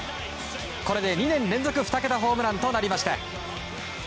これで２年連続２桁ホームランとなりました。